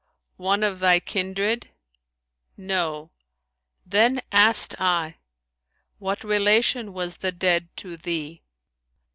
"One of thy kindred?' No!' Then asked I, What relation was the dead to thee?'